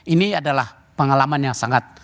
ini adalah pengalaman yang sangat